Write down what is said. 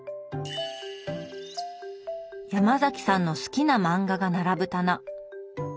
ヤマザキさんの好きな漫画が並ぶ棚。